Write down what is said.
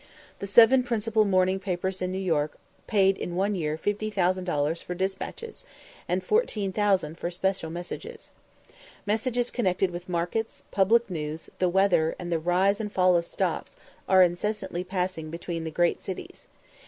The seven principal morning papers in New York paid in one year 50,000 dollars for despatches, and 14,000 for special messages. Messages connected with markets, public news, the weather, and the rise and fall of stocks, are incessantly passing between the great cities.